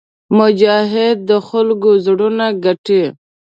مجاهد د خلکو زړونه ګټي.